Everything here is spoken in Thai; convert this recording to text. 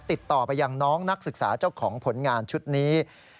ติดต่อไปยังน้องนักศึกษาเจ้าของผลงานชุดนี้